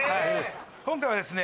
今回はですね